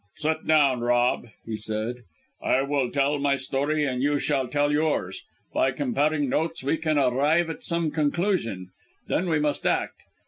"Sit down, Rob," he said. "I will tell my story, and you shall tell yours. By comparing notes, we can arrive at some conclusion. Then we must act.